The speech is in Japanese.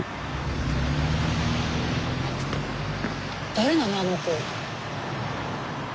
誰なのあの子？